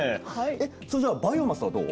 えっそれじゃあバイオマスはどう？